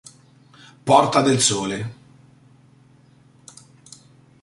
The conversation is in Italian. Porta del Sole